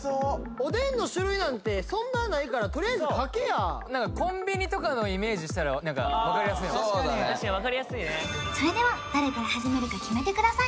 おでんの種類なんてそんなないからとりあえず書けや何かコンビニとかのをイメージしたら何か分かりやすいそれでは誰から始めるか決めてください